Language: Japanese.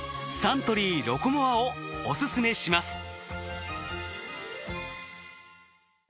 サントリーロコモアをお勧めします。